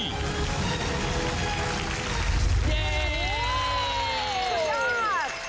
เย้สุดยอด